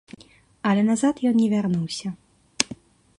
Але назад ён не вярнуўся.